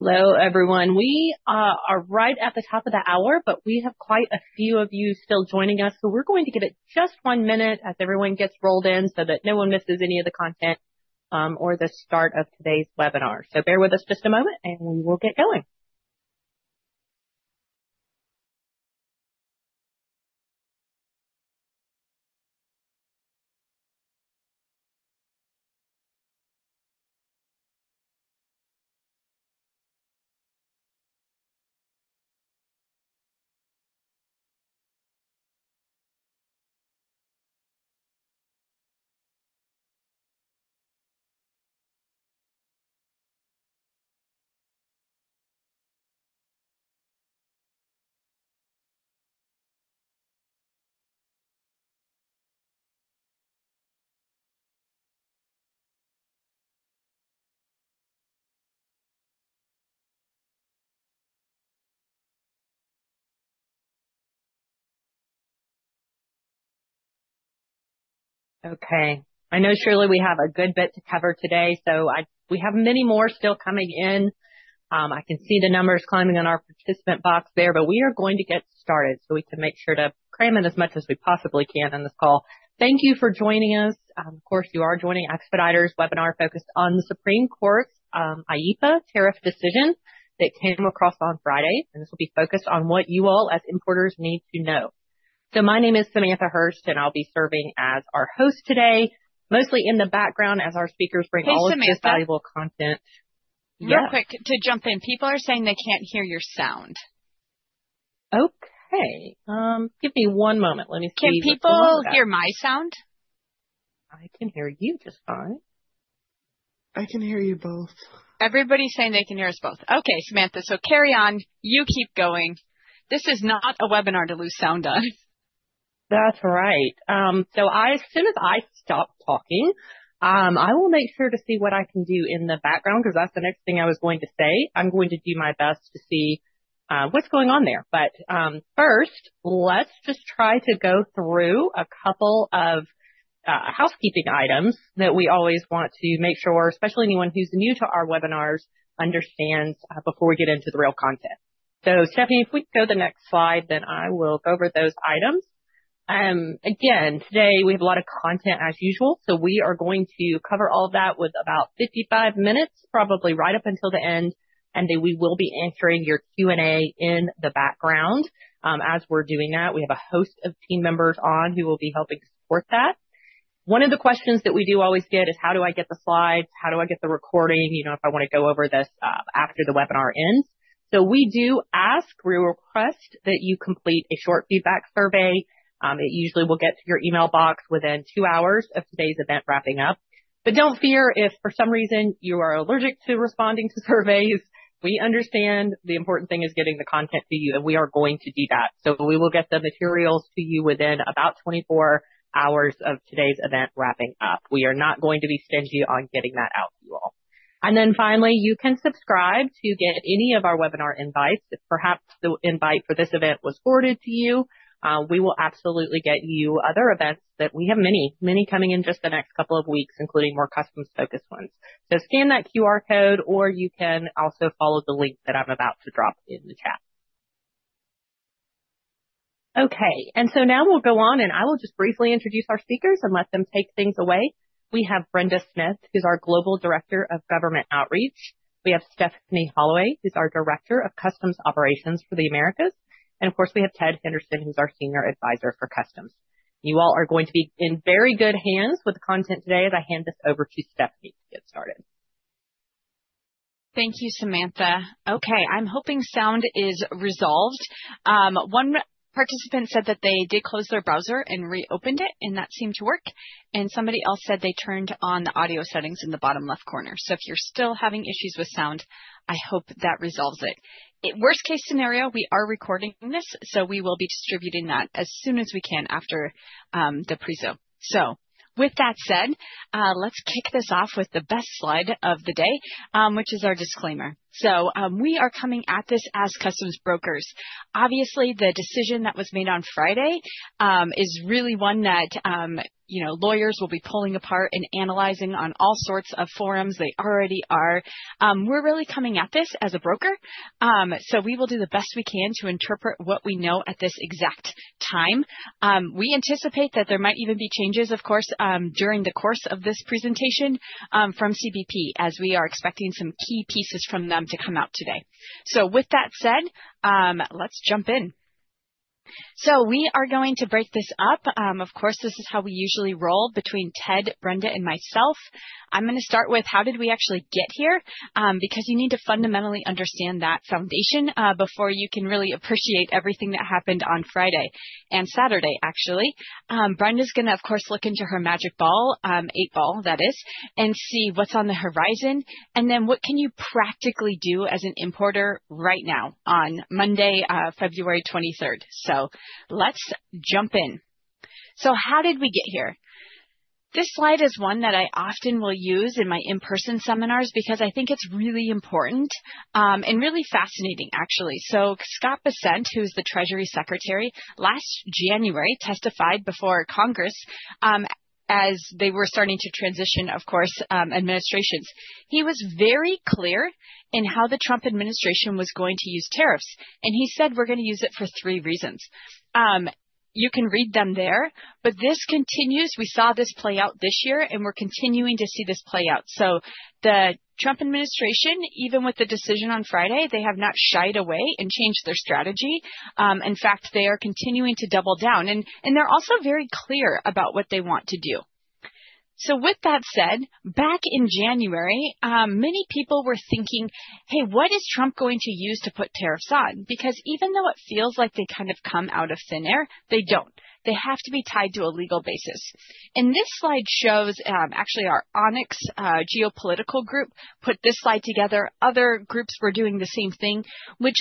Hello, everyone. We are right at the top of the hour, but we have quite a few of you still joining us, so we're going to give it just one minute as everyone gets rolled in, so that no one misses any of the content or the start of today's webinar. Bear with us just a moment, and we will get going. Okay, I know, Shirley, we have a good bit to cover today, so we have many more still coming in. I can see the numbers climbing on our participant box there, but we are going to get started so we can make sure to cram in as much as we possibly can on this call. Thank you for joining us. Of course, you are joining Expeditors webinar, focused on the Supreme Court's IEEPA tariff decision that came across on Friday, and this will be focused on what you all, as importers, need to know. My name is Samantha Hurst, and I'll be serving as our host today, mostly in the background, as our speakers bring all of this. Hey, Samantha. valuable content. Yeah. Real quick, to jump in. People are saying they can't hear your sound. Okay, give me one moment. Let me see. Can people hear my sound? I can hear you just fine. I can hear you both. Everybody's saying they can hear us both. Okay, Samantha, carry on. You keep going. This is not a webinar to lose sound on. That's right. As soon as I stop talking, I will make sure to see what I can do in the background, 'cause that's the next thing I was going to say. I'm going to do my best to see what's going on there. First, let's just try to go through a couple of housekeeping items that we always want to make sure, especially anyone who's new to our webinars, understands before we get into the real content. Stephanie, if we go to the next slide, I will go over those items. Again, today we have a lot of content as usual, we are going to cover all of that with about 55 minutes, probably right up until the end, and then we will be answering your Q&A in the background. As we're doing that, we have a host of team members on who will be helping support that. One of the questions that we do always get is: How do I get the slides? How do I get the recording, you know, if I want to go over this after the webinar ends? We do ask, we request that you complete a short feedback survey. It usually will get to your email box within two hours of today's event wrapping up. Don't fear, if for some reason you are allergic to responding to surveys, we understand the important thing is getting the content to you, and we are going to do that. We will get the materials to you within about 24 hours of today's event wrapping up. We are not going to be stingy on getting that out to you all. finally, you can subscribe to get any of our webinar invites. If perhaps the invite for this event was forwarded to you, we will absolutely get you other events that we have many coming in just the next couple of weeks, including more customs-focused ones. scan that QR code, or you can also follow the link that I'm about to drop in the chat. we'll go on, and I will just briefly introduce our speakers and let them take things away. We have Brenda Smith, who's our Global Director of Government Outreach. We have Stephanie Holloway, who's our Director of Customs Operations for the Americas. of course, we have Ted Henderson, who's our Senior Advisor for Customs. You all are going to be in very good hands with the content today as I hand this over to Stephanie to get started. Thank you, Samantha. Okay, I'm hoping sound is resolved. One participant said that they did close their browser and reopened it, and that seemed to work. Somebody else said they turned on the audio settings in the bottom left corner. If you're still having issues with sound, I hope that resolves it. In worst case scenario, we are recording this, so we will be distributing that as soon as we can after the prezo. With that said, let's kick this off with the best slide of the day, which is our disclaimer. We are coming at this as customs brokers. Obviously, the decision that was made on Friday, is really one that, you know, lawyers will be pulling apart and analyzing on all sorts of forums. They already are. We're really coming at this as a broker, so we will do the best we can to interpret what we know at this exact time. We anticipate that there might even be changes, of course, during the course of this presentation, from CBP, as we are expecting some key pieces from them to come out today. With that said, let's jump in. We are going to break this up. Of course, this is how we usually roll between Ted, Brenda, and myself. I'm gonna start with: How did we actually get here? Because you need to fundamentally understand that foundation, before you can really appreciate everything that happened on Friday and Saturday, actually. Brenda's gonna, of course, look into her magic ball, eight ball, that is, and see what's on the horizon. What can you practically do as an importer right now on Monday, February 23rd? Let's jump in. How did we get here? This slide is one that I often will use in my in-person seminars because I think it's really important and really fascinating, actually. Scott Bessent, who's the Treasury Secretary, last January, testified before Congress as they were starting to transition, of course, administrations. He was very clear in how the Trump administration was going to use tariffs, and he said: "We're gonna use it for three reasons." You can read them there, but this continues. We saw this play out this year, and we're continuing to see this play out. The Trump administration, even with the decision on Friday, they have not shied away and changed their strategy. In fact, they are continuing to double down, and they're also very clear about what they want to do. With that said, back in January, many people were thinking, hey, what is Trump going to use to put tariffs on? Because even though it feels like they kind of come out of thin air, they don't. They have to be tied to a legal basis. This slide shows, actually, our Onyx geopolitical group, put this slide together. Other groups were doing the same thing, which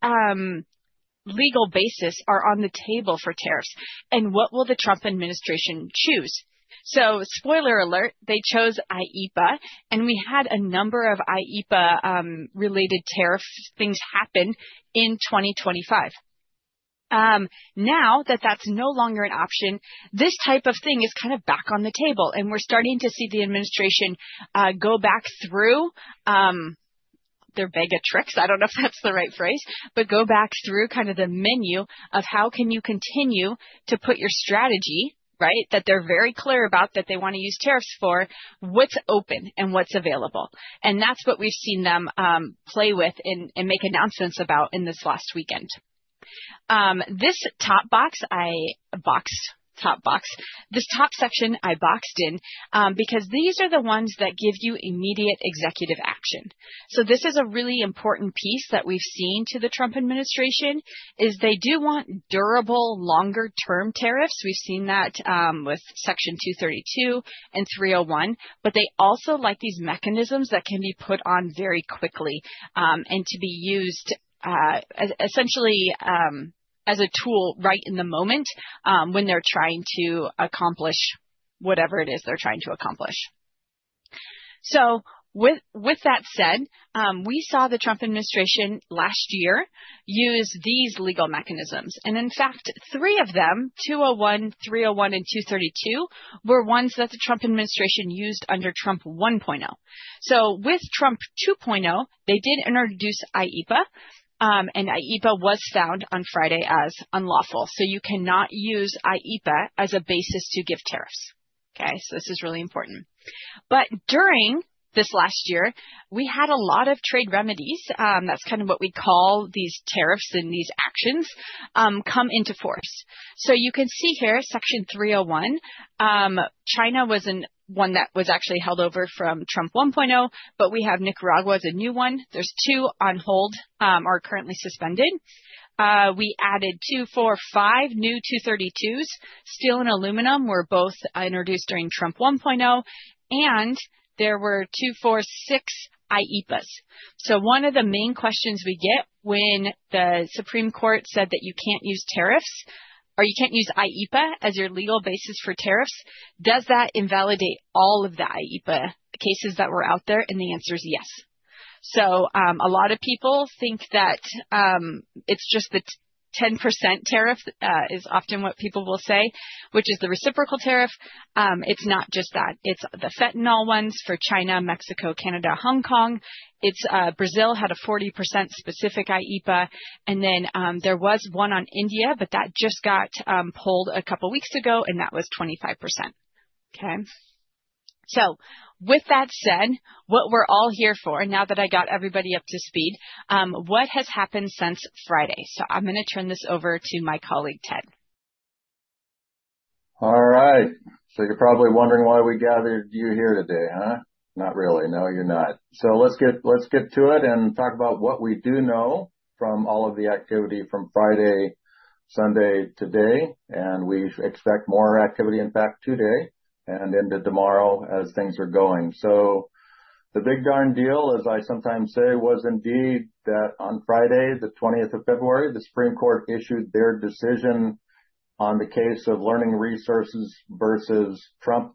legal basis are on the table for tariffs, and what will the Trump administration choose? Spoiler alert, they chose IEEPA, and we had a number of IEEPA related tariff things happen in 2025. Now that that's no longer an option, this type of thing is kind of back on the table, and we're starting to see the administration go back through their bag of tricks. I don't know if that's the right phrase, but go back through kind of the menu of how can you continue to put your strategy, right, that they're very clear about, that they want to use tariffs for, what's open and what's available. That's what we've seen them play with and make announcements about in this last weekend. This top section I boxed in because these are the ones that give you immediate executive action. This is a really important piece that we've seen to the Trump administration, is they do want durable, longer-term tariffs. We've seen that with Section 232 and 301, but they also like these mechanisms that can be put on very quickly and to be used essentially as a tool right in the moment when they're trying to accomplish whatever it is they're trying to accomplish. With that said, we saw the Trump administration last year use these legal mechanisms, and in fact, three of them, 201, 301, and 232, were ones that the Trump administration used under Trump 1.0. With Trump 2.0, they did introduce IEEPA, and IEEPA was found on Friday as unlawful. You cannot use IEEPA as a basis to give tariffs, okay? This is really important. During this last year, we had a lot of trade remedies, that's kind of what we call these tariffs and these actions, come into force. You can see here, Section 301, China was a one that was actually held over from Trump 1.0, but we have Nicaragua as a new one. There's two on hold, are currently suspended. We added 245 new Section 232s. Steel and aluminum were both introduced during Trump 1.0, and there were 246 IEEPAs. One of the main questions we get when the Supreme Court said that you can't use tariffs, or you can't use IEEPA as your legal basis for tariffs, does that invalidate all of the IEEPA cases that were out there? The answer is yes. A lot of people think that it's just the 10% tariff is often what people will say, which is the reciprocal tariff. It's not just that. It's the fentanyl ones for China, Mexico, Canada, Hong Kong. It's Brazil had a 40% specific IEEPA, there was one on India, but that just got pulled a couple weeks ago, and that was 25%. Okay? With that said, what we're all here for, now that I got everybody up to speed, what has happened since Friday? I'm gonna turn this over to my colleague, Ted. All right. You're probably wondering why we gathered you here today, huh? Not really. You're not. Let's get to it and talk about what we do know from all of the activity from Friday, Sunday, today, and we expect more activity, in fact, today and into tomorrow as things are going. The big darn deal, as I sometimes say, was indeed that on Friday, the 20th of February, the Supreme Court issued their decision on the case of Learning Resources versus Trump,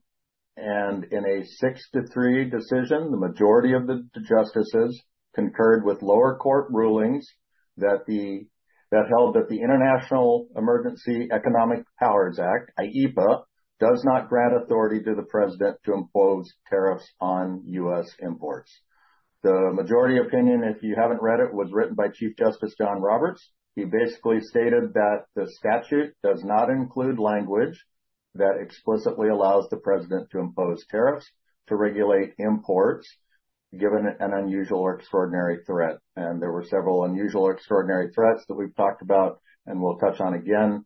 and in a six to three decision, the majority of the justices concurred with lower court rulings that held that the International Emergency Economic Powers Act, IEEPA, does not grant authority to the president to impose tariffs on U.S. imports. The majority opinion, if you haven't read it, was written by Chief Justice John Roberts. He basically stated that the statute does not include language that explicitly allows the president to impose tariffs to regulate imports, given an unusual or extraordinary threat. There were several unusual or extraordinary threats that we've talked about and we'll touch on again.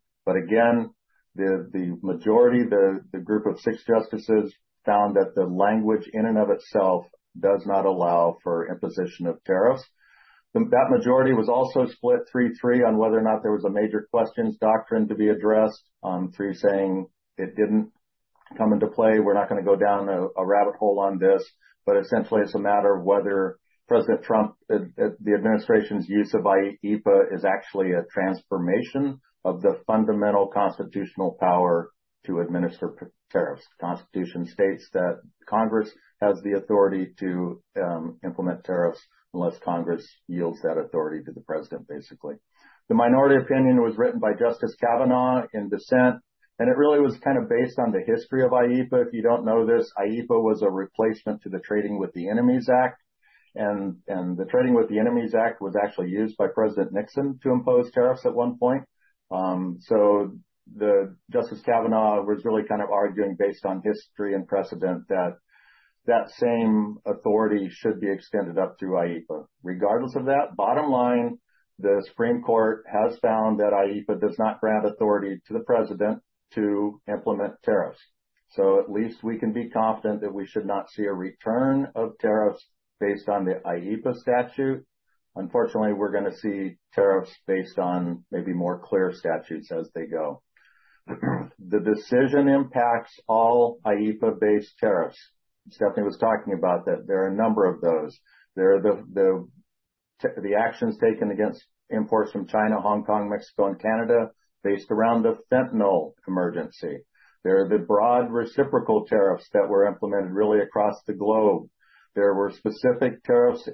Again, the majority, the group of six justices, found that the language in and of itself does not allow for imposition of tariffs. That majority was also split three-three on whether or not there was a major questions doctrine to be addressed, three saying it didn't come into play. We're not gonna go down a rabbit hole on this, but essentially it's a matter of whether President Trump, the administration's use of IEEPA is actually a transformation of the fundamental constitutional power to administer tariffs. The Constitution states that Congress has the authority to implement tariffs, unless Congress yields that authority to the president, basically. The minority opinion was written by Justice Kavanaugh in dissent, it really was kind of based on the history of IEEPA. If you don't know this, IEEPA was a replacement to the Trading with the Enemy Act, and the Trading with the Enemy Act was actually used by President Nixon to impose tariffs at one point. The Justice Kavanaugh was really kind of arguing based on history and precedent, that same authority should be extended up through IEEPA. Regardless of that, bottom line, the Supreme Court has found that IEEPA does not grant authority to the president to implement tariffs. At least we can be confident that we should not see a return of tariffs based on the IEEPA statute. Unfortunately, we're going to see tariffs based on maybe more clear statutes as they go. The decision impacts all IEEPA-based tariffs. Stephanie was talking about that. There are a number of those. There are the actions taken against imports from China, Hong Kong, Mexico and Canada, based around the fentanyl emergency. There are the broad reciprocal tariffs that were implemented really across the globe. There were specific tariffs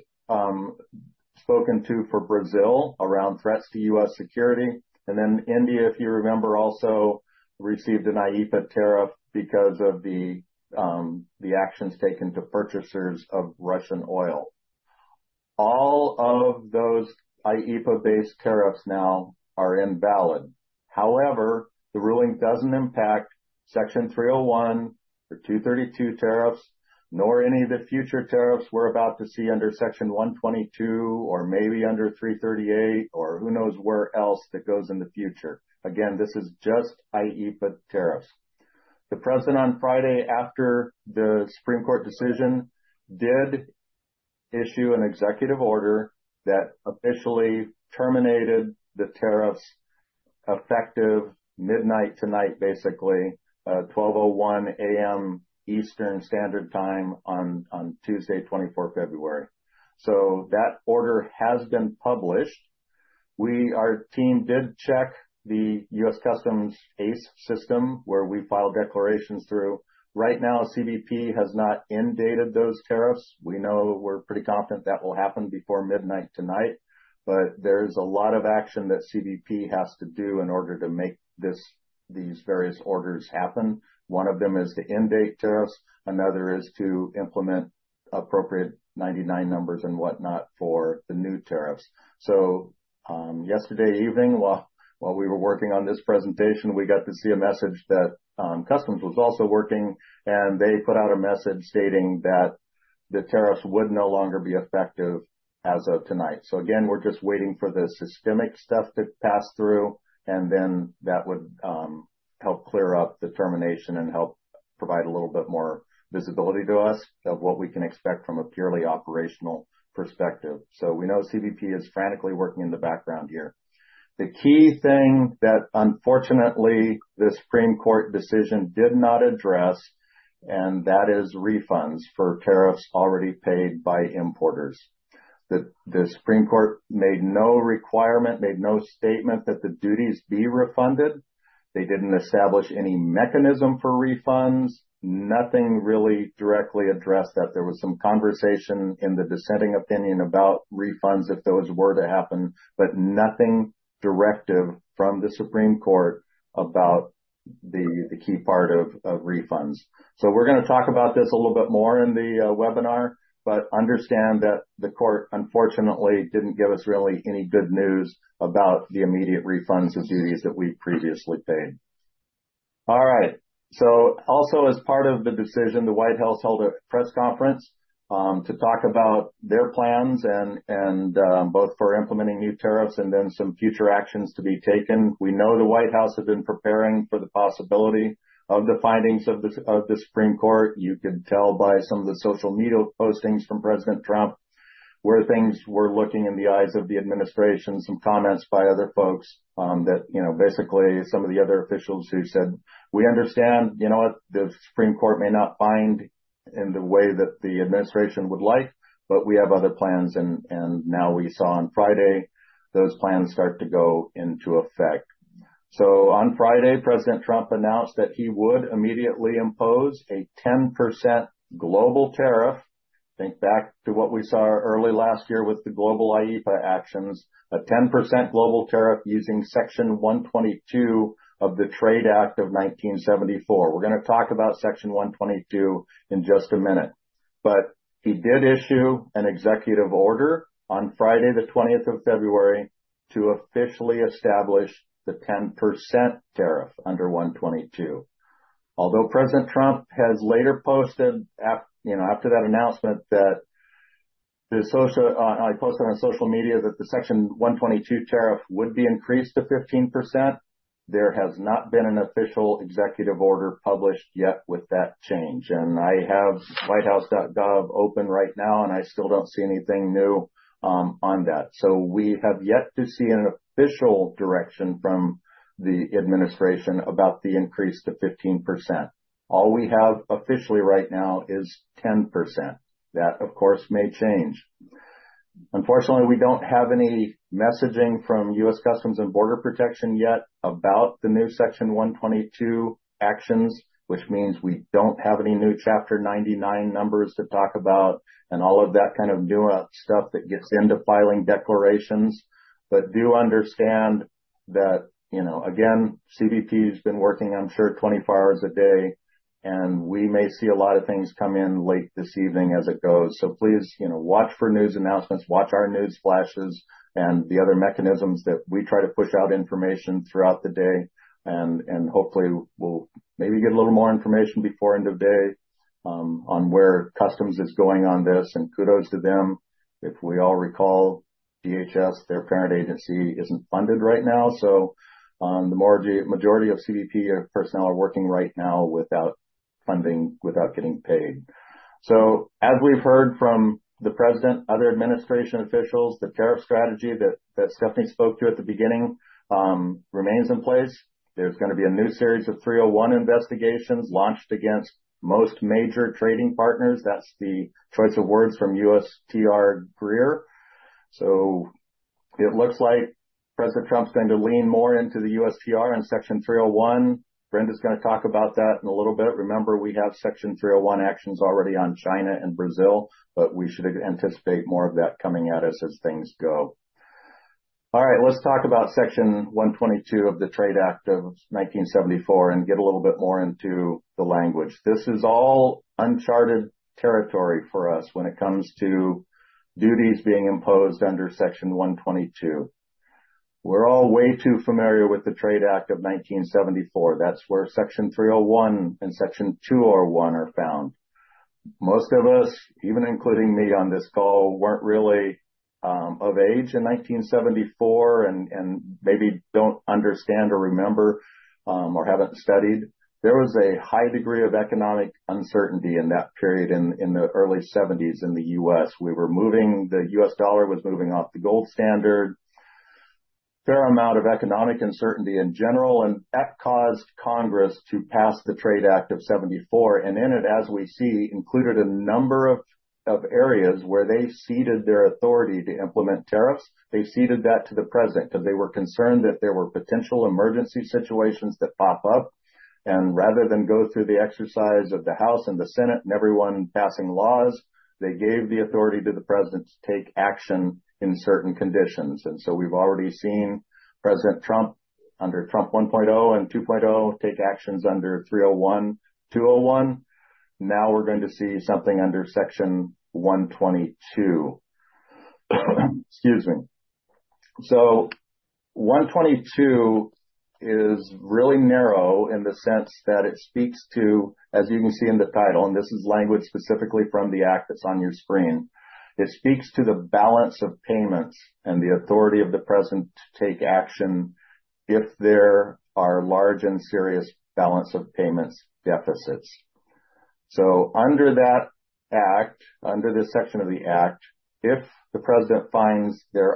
spoken to for Brazil around threats to U.S. security. India, if you remember, also received an IEEPA tariff because of the actions taken to purchasers of Russian oil. All of those IEEPA-based tariffs now are invalid. The ruling doesn't impact Section 301 or 232 tariffs, nor any of the future tariffs we're about to see under Section 122, or maybe under 338, or who knows where else that goes in the future. Again, this is just IEEPA tariffs. The President, on Friday, after the Supreme Court decision, did issue an executive order that officially terminated the tariffs, effective midnight tonight, basically, 12:01 A.M. Eastern Standard Time on Tuesday, 24 February. That order has been published. Our team did check the U.S. Customs ACE system, where we file declarations through. Right now, CBP has not mandated those tariffs. We know we're pretty confident that will happen before midnight tonight, but there's a lot of action that CBP has to do in order to make these various orders happen. One of them is to endate tariffs, another is to implement appropriate 99 numbers and whatnot for the new tariffs. Yesterday evening, while we were working on this presentation, we got to see a message that Customs was also working, and they put out a message stating that the tariffs would no longer be effective as of tonight. Again, we're just waiting for the systemic stuff to pass through, and then that would help clear up the termination and help provide a little bit more visibility to us of what we can expect from a purely operational perspective. We know CBP is frantically working in the background here. The key thing that, unfortunately, the Supreme Court decision did not address, and that is refunds for tariffs already paid by importers. The Supreme Court made no requirement, made no statement that the duties be refunded. They didn't establish any mechanism for refunds. Nothing really directly addressed that. There was some conversation in the dissenting opinion about refunds if those were to happen, but nothing directive from the Supreme Court about the key part of refunds. We're going to talk about this a little bit more in the webinar, but understand that the court, unfortunately, didn't give us really any good news about the immediate refunds of duties that we've previously paid. All right. Also, as part of the decision, the White House held a press conference to talk about their plans and both for implementing new tariffs and then some future actions to be taken. We know the White House had been preparing for the possibility of the findings of the Supreme Court. You could tell by some of the social media postings from President Trump, where things were looking in the eyes of the administration. Some comments by other folks, that, you know, basically some of the other officials who said, "We understand, you know what? The Supreme Court may not find in the way that the administration would like, but we have other plans." Now we saw on Friday, those plans start to go into effect. On Friday, President Trump announced that he would immediately impose a 10% global tariff. Think back to what we saw early last year with the global IEEPA actions, a 10% global tariff using Section 122 of the Trade Act of 1974. We're going to talk about Section 122 in just a minute. He did issue an executive order on Friday, the 20th of February, to officially establish the 10% tariff under 122. Although President Trump has later posted, you know, after that announcement, that the social... He posted on social media that the Section 122 tariff would be increased to 15%, there has not been an official executive order published yet with that change. I have whitehouse.gov open right now, and I still don't see anything new on that. We have yet to see an official direction from the administration about the increase to 15%. All we have officially right now is 10%. That, of course, may change. Unfortunately, we don't have any messaging from U.S. Customs and Border Protection yet about the new Section 122 actions, which means we don't have any new Chapter 99 numbers to talk about, and all of that kind of new stuff that gets into filing declarations. Do understand that, you know, again, CBP's been working, I'm sure, 24 hours a day. And we may see a lot of things come in late this evening as it goes. Please, you know, watch for news announcements, watch our news flashes and the other mechanisms that we try to push out information throughout the day. Hopefully we'll maybe get a little more information before end of day on where Customs is going on this, and kudos to them. If we all recall, DHS, their parent agency, isn't funded right now, the majority of CBP personnel are working right now without funding, without getting paid. As we've heard from the president, other administration officials, the tariff strategy that Stephanie spoke to at the beginning remains in place. There's going to be a new series of 301 investigations launched against most major trading partners. That's the choice of words from USTR Grier. It looks like President Trump's going to lean more into the USTR on Section 301. Brenda's going to talk about that in a little bit. Remember, we have Section 301 actions already on China and Brazil, we should anticipate more of that coming at us as things go. All right, let's talk about Section 122 of the Trade Act of 1974 and get a little bit more into the language. This is all uncharted territory for us when it comes to duties being imposed under Section 122. We're all way too familiar with the Trade Act of 1974. That's where Section 301 and Section 201 are found. Most of us, even including me on this call, weren't really of age in 1974 and maybe don't understand or remember or haven't studied. There was a high degree of economic uncertainty in that period in the early seventies in the U.S. The U.S. dollar was moving off the gold standard. Fair amount of economic uncertainty in general, that caused Congress to pass the Trade Act of 1974, and in it, as we see, included a number of areas where they ceded their authority to implement tariffs. They ceded that to the President, because they were concerned that there were potential emergency situations that pop up, and rather than go through the exercise of the House and the Senate and everyone passing laws, they gave the authority to the President to take action in certain conditions. We've already seen President Trump, under Trump one point O and two point O, take actions under Section 301, Section 201. We're going to see something under Section 122. Excuse me. Section 122 is really narrow in the sense that it speaks to, as you can see in the title, and this is language specifically from the Act that's on your screen. It speaks to the balance of payments and the authority of the President to take action if there are large and serious balance of payments deficits. Under that Act, under this Section of the Act, if the President finds there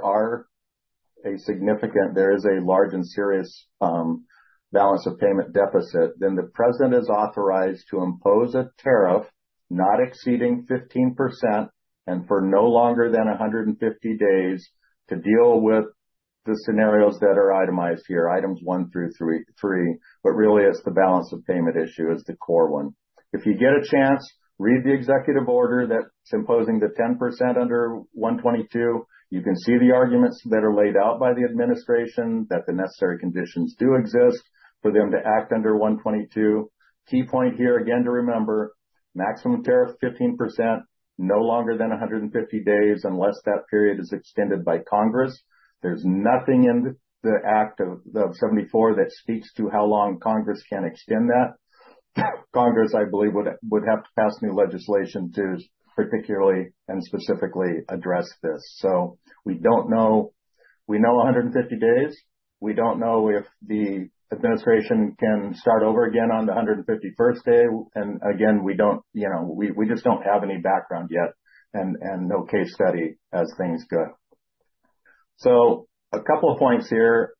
is a large and serious balance of payment deficit, then the President is authorized to impose a tariff, not exceeding 15% and for no longer than 150 days, to deal with the scenarios that are itemized here, items one through three. Really, it's the balance of payment issue is the core one. If you get a chance, read the executive order that's imposing the 10% under Section 122. You can see the arguments that are laid out by the administration, that the necessary conditions do exist for them to act under Section 122. Key point here, again, to remember, maximum tariff, 15%, no longer than 150 days, unless that period is extended by Congress. There's nothing in the Trade Act of 1974 that speaks to how long Congress can extend that. Congress, I believe, would have to pass new legislation to particularly and specifically address this. We don't know. We know 150 days. We don't know if the administration can start over again on the 151st day. Again, we don't, you know, we just don't have any background yet and no case study as things go. A couple of points here,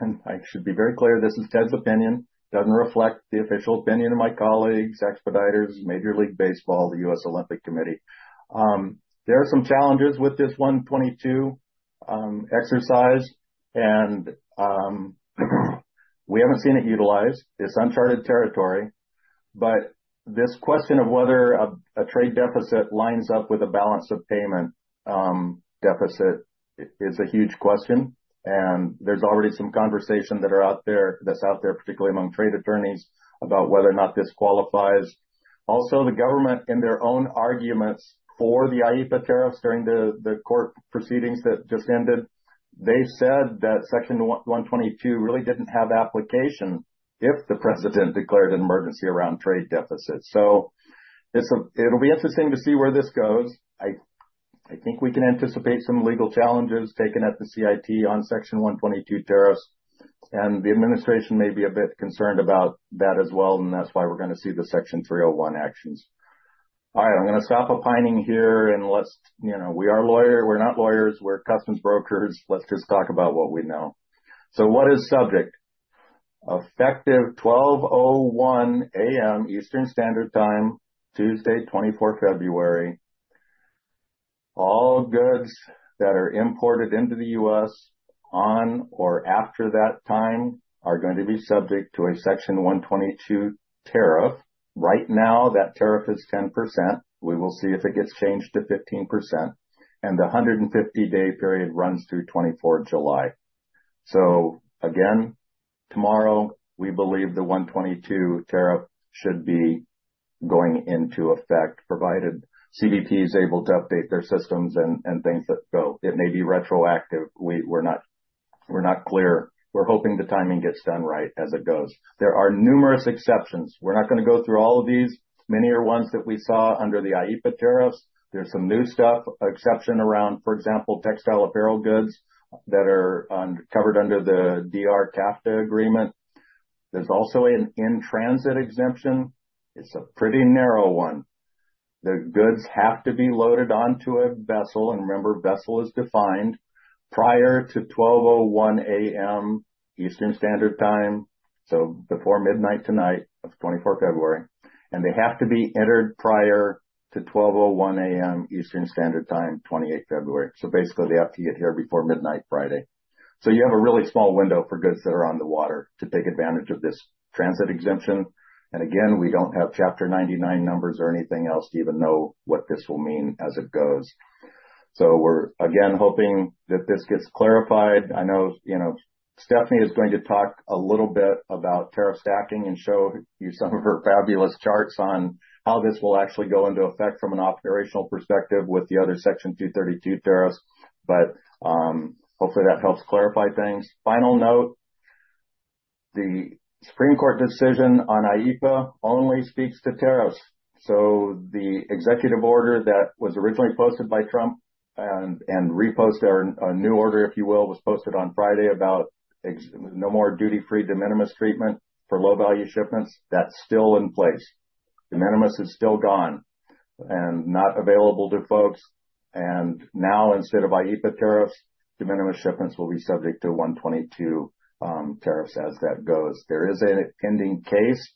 and I should be very clear, this is Ted's opinion. Doesn't reflect the official opinion of my colleagues, Expeditors, Major League Baseball, the U.S. Olympic Committee. There are some challenges with this 122 exercise, and we haven't seen it utilized. It's uncharted territory, but this question of whether a trade deficit lines up with a balance of payment deficit is a huge question, and there's already some conversations that are out there, that's out there, particularly among trade attorneys, about whether or not this qualifies. The government, in their own arguments for the IEEPA tariffs during the court proceedings that just ended, they said that Section 122 really didn't have application if the president declared an emergency around trade deficits. It'll be interesting to see where this goes. I think we can anticipate some legal challenges taken at the CIT on Section 122 tariffs, the administration may be a bit concerned about that as well, that's why we're going to see the Section 301 actions. All right, I'm going to stop opining here, let's, you know, We're not lawyers, we're customs brokers. Let's just talk about what we know. What is subject? Effective 12:01 A.M., Eastern Standard Time, Tuesday, 24th February, all goods that are imported into the US on or after that time are going to be subject to a Section 122 tariff. Right now, that tariff is 10%. We will see if it gets changed to 15%, and the 150-day period runs through 24th July. Again, tomorrow, we believe the 122 tariff should be going into effect, provided CBP is able to update their systems and things that go. It may be retroactive. We're not clear. We're hoping the timing gets done right as it goes. There are numerous exceptions. We're not going to go through all of these. Many are ones that we saw under the IEEPA tariffs. There's some new stuff, exception around, for example, textile apparel goods that are uncovered under the DR-CAFTA agreement. There's also an in-transit exemption. It's a pretty narrow one. The goods have to be loaded onto a vessel. Remember, vessel is defined, prior to 12:01 A.M. Eastern Standard Time, so before midnight tonight, of 24th February, and they have to be entered prior to 12:01 A.M. Eastern Standard Time, 28th February. Basically, they have to get here before midnight Friday. You have a really small window for goods that are on the water to take advantage of this transit exemption. Again, we don't have Chapter 99 numbers or anything else to even know what this will mean as it goes. We're, again, hoping that this gets clarified. I know, you know, Stephanie is going to talk a little bit about tariff stacking and show you some of her fabulous charts on how this will actually go into effect from an operational perspective with the other Section 232 tariffs. Hopefully that helps clarify things. Final note, the Supreme Court decision on IEEPA only speaks to tariffs. The executive order that was originally posted by Trump and reposted, or a new order, if you will, was posted on Friday about no more duty-free de minimis treatment for low-value shipments. That's still in place. De minimis is still gone and not available to folks. Now, instead of IEEPA tariffs, de minimis shipments will be subject to 122 tariffs as that goes. There is a pending case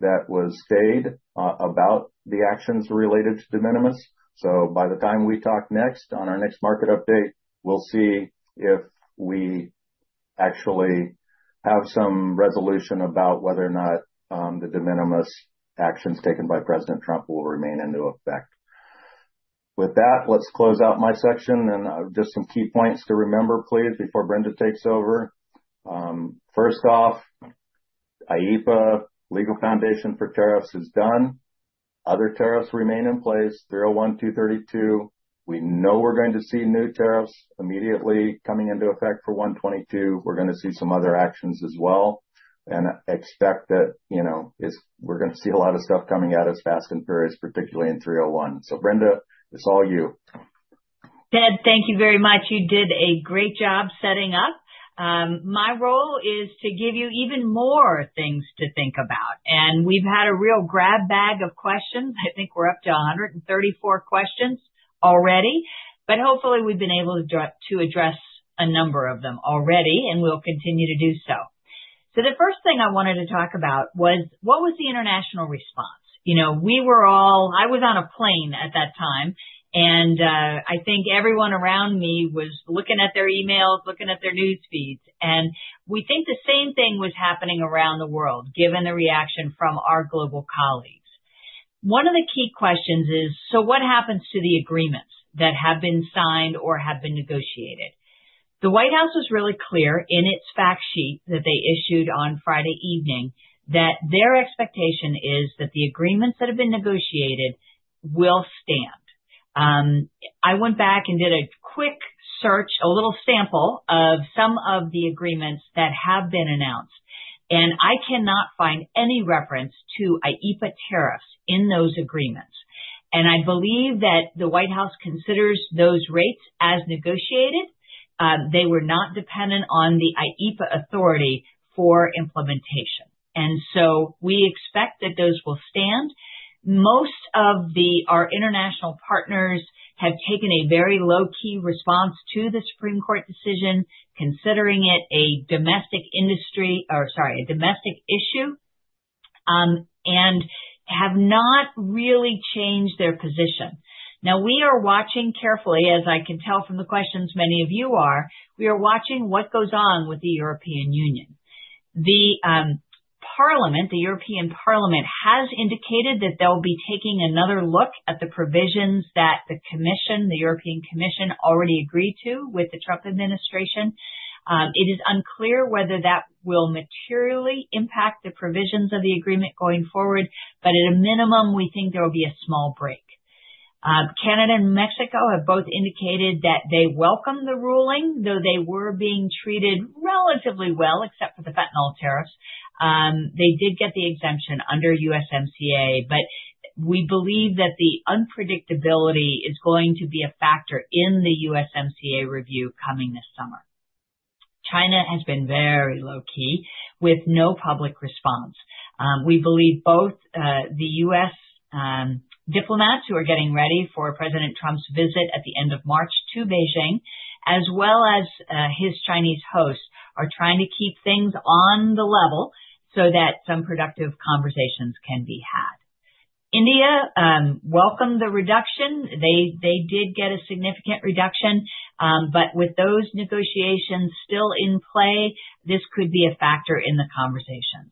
that was stayed about the actions related to de minimis. By the time we talk next on our next market update, we'll see if we actually have some resolution about whether or not the de minimis actions taken by President Trump will remain into effect. With that, let's close out my section and just some key points to remember, please, before Brenda takes over. First off, IEEPA legal foundation for tariffs is done. Other tariffs remain in place, Section 301, Section 232. We know we're going to see new tariffs immediately coming into effect for Section 122. We're going to see some other actions as well and expect that, you know, we're going to see a lot of stuff coming out as fast and furious, particularly in Section 301. Brenda, it's all you. Ted, thank you very much. You did a great job setting up. My role is to give you even more things to think about. We've had a real grab bag of questions. I think we're up to 134 questions already, but hopefully we've been able to address a number of them already. We'll continue to do so. The first thing I wanted to talk about was, what was the international response? You know, we were all, I was on a plane at that time. I think everyone around me was looking at their emails, looking at their news feeds. We think the same thing was happening around the world, given the reaction from our global colleagues. One of the key questions is: What happens to the agreements that have been signed or have been negotiated? The White House was really clear in its fact sheet that they issued on Friday evening, that their expectation is that the agreements that have been negotiated will stand. I went back and did a quick search, a little sample of some of the agreements that have been announced, and I cannot find any reference to IEEPA tariffs in those agreements. I believe that the White House considers those rates as negotiated. They were not dependent on the IEEPA authority for implementation, and so we expect that those will stand. Most of the, our international partners have taken a very low-key response to the Supreme Court decision, considering it a domestic industry, or sorry, a domestic issue, and have not really changed their position. We are watching carefully, as I can tell from the questions many of you are, we are watching what goes on with the European Union. Parliament, the European Parliament, has indicated that they'll be taking another look at the provisions that the Commission, the European Commission, already agreed to with the Trump administration. It is unclear whether that will materially impact the provisions of the agreement going forward, at a minimum, we think there will be a small break. Canada and Mexico have both indicated that they welcome the ruling, though they were being treated relatively well, except for the fentanyl tariffs. They did get the exemption under USMCA, we believe that the unpredictability is going to be a factor in the USMCA review coming this summer. China has been very low-key, with no public response. We believe both the U.S. diplomats who are getting ready for President Trump's visit at the end of March to Beijing, as well as his Chinese hosts, are trying to keep things on the level so that some productive conversations can be had. India welcomed the reduction. They did get a significant reduction, but with those negotiations still in play, this could be a factor in the conversations.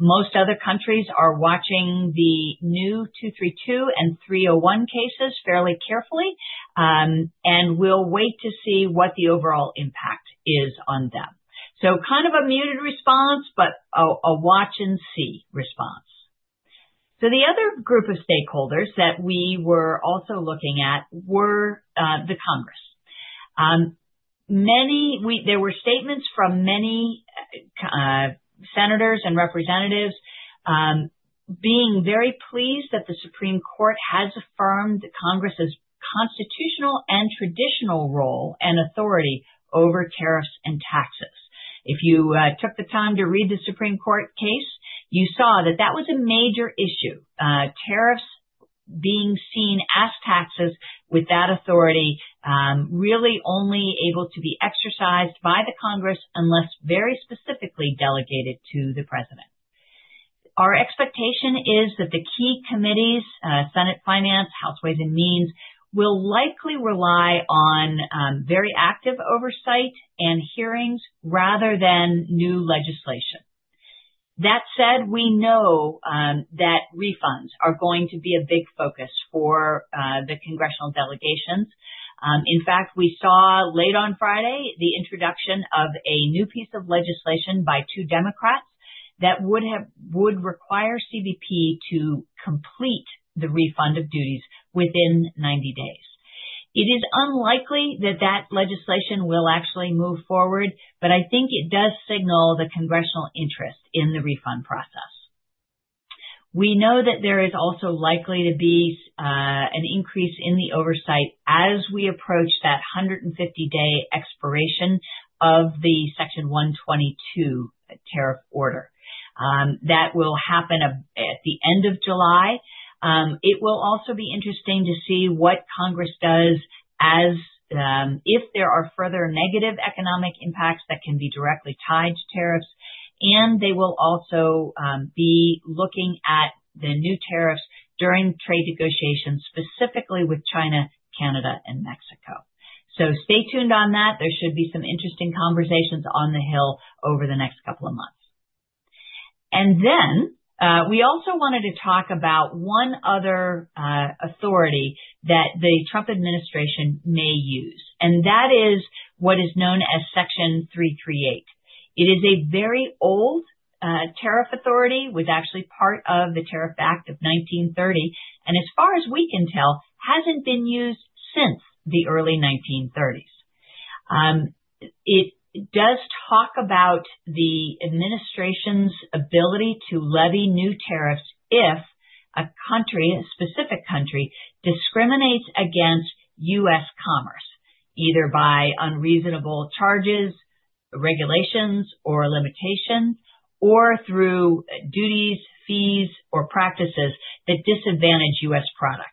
Most other countries are watching the new 232 and 301 cases fairly carefully, and we'll wait to see what the overall impact is on them. Kind of a muted response, but a watch and see response. The other group of stakeholders that we were also looking at were the Congress. There were statements from many senators and representatives, being very pleased that the Supreme Court has affirmed Congress's constitutional and traditional role and authority over tariffs and taxes. If you took the time to read the Supreme Court case, you saw that that was a major issue, tariffs being seen as taxes with that authority, really only able to be exercised by the Congress, unless very specifically delegated to the President. Our expectation is that the key committees, Senate Finance, House Ways and Means, will likely rely on very active oversight and hearings rather than new legislation. That said, we know that refunds are going to be a big focus for the congressional delegations. In fact, we saw late on Friday the introduction of a new piece of legislation by two Democrats that would require CBP to complete the refund of duties within 90 days. It is unlikely that that legislation will actually move forward, but I think it does signal the congressional interest in the refund process. We know that there is also likely to be an increase in the oversight as we approach that 150-day expiration of the Section 122 tariff order. That will happen at the end of July. It will also be interesting to see what Congress does as if there are further negative economic impacts that can be directly tied to tariffs, and they will also be looking at the new tariffs during trade negotiations, specifically with China, Canada, and Mexico. Stay tuned on that. There should be some interesting conversations on the Hill over the next couple of months. We also wanted to talk about one other authority that the Trump administration may use, and that is what is known as Section 338. It is a very old tariff authority, was actually part of the Tariff Act of 1930, and as far as we can tell, hasn't been used since the early 1930s. It does talk about the administration's ability to levy new tariffs if a country, a specific country, discriminates against U.S. commerce, either by unreasonable charges, regulations or limitations, or through duties, fees or practices that disadvantage U.S. products.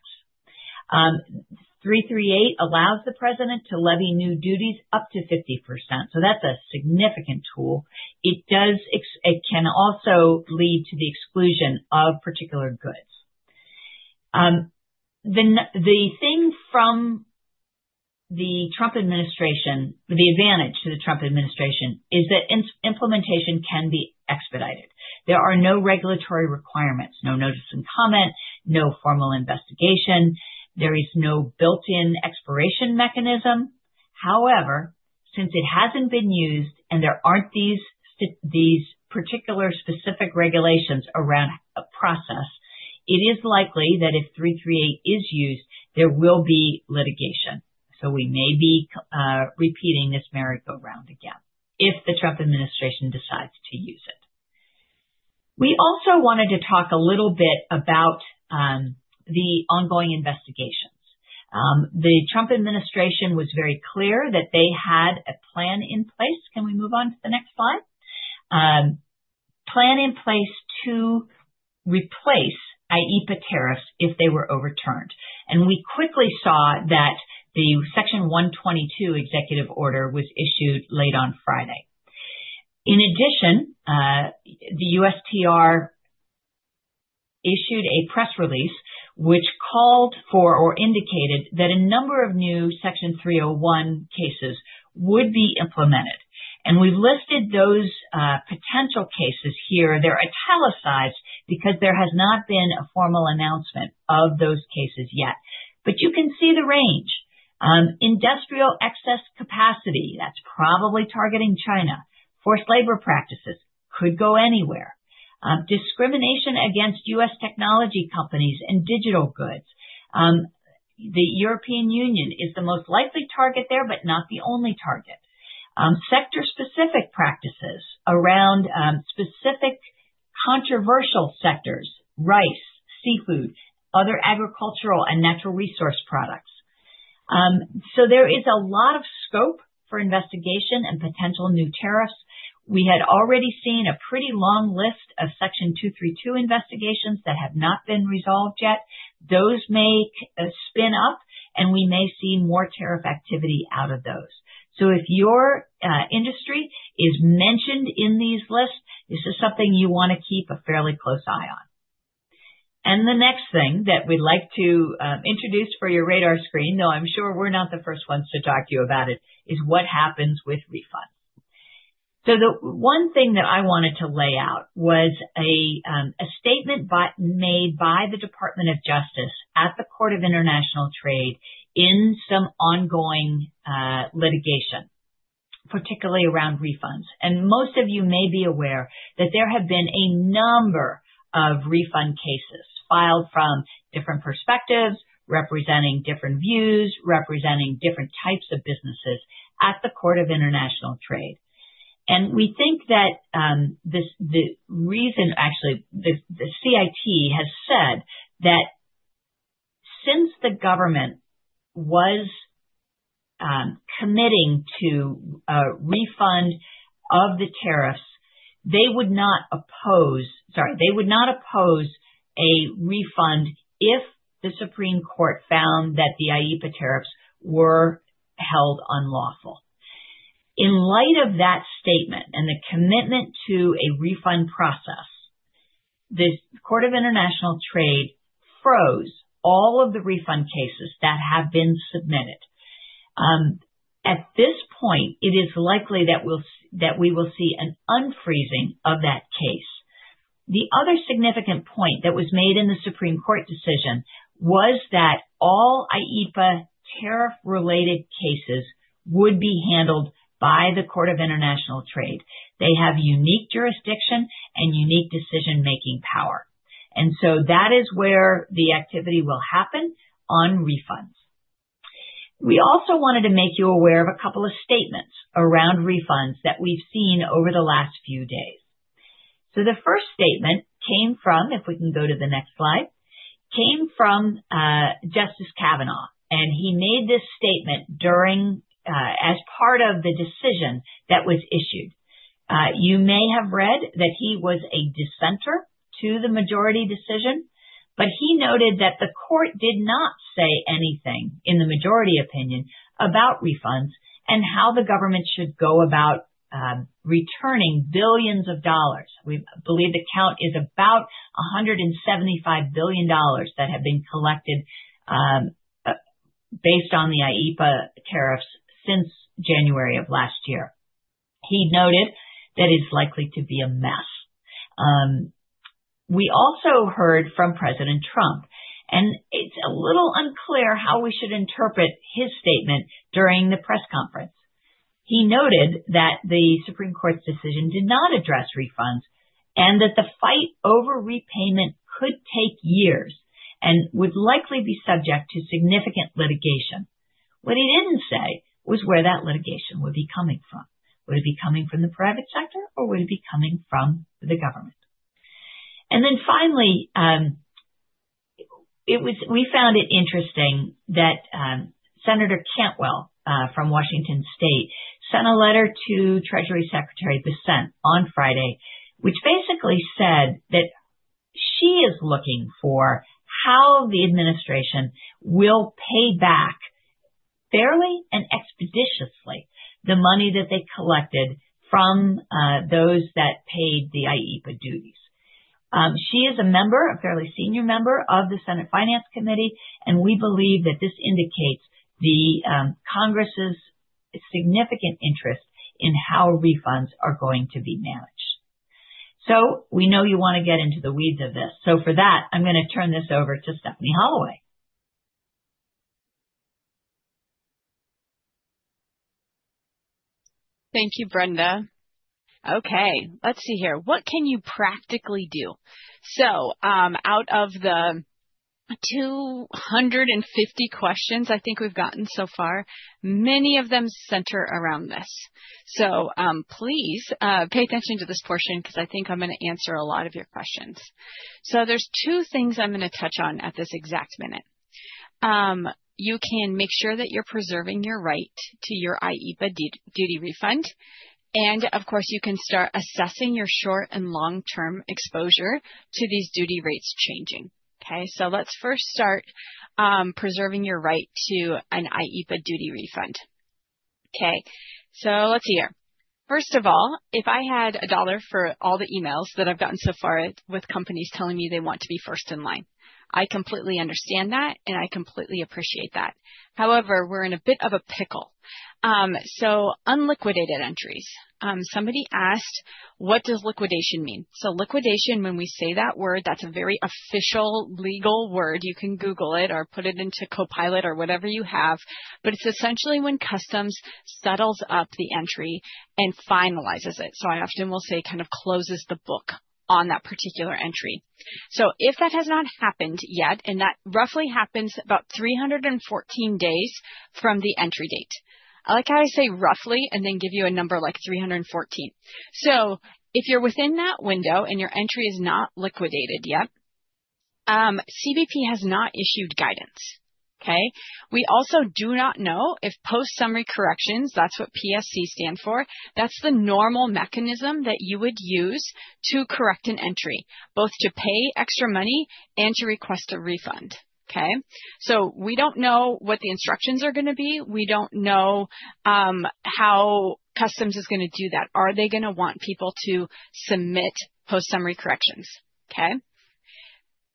338 allows the president to levy new duties up to 50%, so that's a significant tool. It can also lead to the exclusion of particular goods. The thing from the Trump administration, the advantage to the Trump administration, is that implementation can be expedited. There are no regulatory requirements, no notice and comment, no formal investigation. There is no built-in expiration mechanism. Since it hasn't been used and there aren't these particular specific regulations around a process, it is likely that if Section 338 is used, there will be litigation. We may be repeating this merry-go-round again if the Trump administration decides to use it. We also wanted to talk a little bit about the ongoing investigations. The Trump administration was very clear that they had a plan in place. Can we move on to the next slide? Plan in place to replace IEEPA tariffs if they were overturned. We quickly saw that the Section 122 executive order was issued late on Friday. In addition, the USTR issued a press release which called for or indicated that a number of new Section 301 cases would be implemented, we've listed those potential cases here. They're italicized because there has not been a formal announcement of those cases yet. You can see the range. Industrial excess capacity, that's probably targeting China. Forced labor practices, could go anywhere. Discrimination against U.S. technology companies and digital goods. The European Union is the most likely target there, but not the only target. Sector-specific practices around specific controversial sectors, rice, seafood, other agricultural and natural resource products. There is a lot of scope for investigation and potential new tariffs. We had already seen a pretty long list of Section 232 investigations that have not been resolved yet. Those may spin up, and we may see more tariff activity out of those. If your industry is mentioned in these lists, this is something you want to keep a fairly close eye on. The next thing that we'd like to introduce for your radar screen, though I'm sure we're not the first ones to talk to you about it, is what happens with refunds. The one thing that I wanted to lay out was a statement made by the Department of Justice at the Court of International Trade in some ongoing litigation, particularly around refunds. Most of you may be aware that there have been a number of refund cases filed from different perspectives, representing different views, representing different types of businesses at the Court of International Trade. We think that this, the reason. Actually, the CIT has said that since the government was committing to a refund of the tariffs, they would not oppose a refund if the Supreme Court found that the IEEPA tariffs were held unlawful. In light of that statement and the commitment to a refund process, the Court of International Trade froze all of the refund cases that have been submitted. At this point, it is likely that we will see an unfreezing of that case. The other significant point that was made in the Supreme Court decision was that all IEEPA tariff-related cases would be handled by the Court of International Trade. They have unique jurisdiction and unique decision-making power, and so that is where the activity will happen on refunds. We also wanted to make you aware of a couple of statements around refunds that we've seen over the last few days. The first statement came from, if we can go to the next slide, came from Justice Kavanaugh, and he made this statement during as part of the decision that was issued. You may have read that he was a dissenter to the majority decision, but he noted that the court did not say anything in the majority opinion about refunds and how the government should go about returning billions of dollars. We believe the count is about $175 billion that have been collected, based on the IEEPA tariffs since January of last year. He noted that it's likely to be a mess. We also heard from President Trump, it's a little unclear how we should interpret his statement during the press conference. He noted that the Supreme Court's decision did not address refunds and that the fight over repayment could take years and would likely be subject to significant litigation. What he didn't say was where that litigation would be coming from. Would it be coming from the private sector, or would it be coming from the government? Finally. We found it interesting that, Senator Cantwell, from Washington State, sent a letter to Treasury Secretary Bessent on Friday, which basically said that she is looking for how the administration will pay back fairly and expeditiously, the money that they collected from, those that paid the IEEPA duties. She is a member, a fairly senior member, of the Senate Finance Committee, and we believe that this indicates the Congress's significant interest in how refunds are going to be managed. We know you want to get into the weeds of this. For that, I'm going to turn this over to Stephanie Holloway. Thank you, Brenda. Let's see here. What can you practically do? Out of the 250 questions I think we've gotten so far, many of them center around this. Please pay attention to this portion, because I think I'm going to answer a lot of your questions. There's two things I'm going to touch on at this exact minute. You can make sure that you're preserving your right to your IEEPA duty refund, and of course, you can start assessing your short and long-term exposure to these duty rates changing. Let's first start preserving your right to an IEEPA duty refund. Let's see here. First of all, if I had $1 for all the emails that I've gotten so far with companies telling me they want to be first in line, I completely understand that, I completely appreciate that. However, we're in a bit of a pickle. Unliquidated entries. Somebody asked: What does liquidation mean? Liquidation, when we say that word, that's a very official legal word. You can Google it or put it into Copilot or whatever you have, but it's essentially when Customs settles up the entry and finalizes it. I often will say, kind of closes the book on that particular entry. If that has not happened yet, and that roughly happens about 314 days from the entry date. I like how I say, roughly, and then give you a number like 314. If you're within that window and your entry is not liquidated yet, CBP has not issued guidance. Okay? We also do not know if Post Summary Corrections, that's what PSC stand for, that's the normal mechanism that you would use to correct an entry, both to pay extra money and to request a refund. Okay? We don't know what the instructions are going to be. We don't know how Customs is going to do that. Are they going to want people to submit Post Summary Corrections? Okay?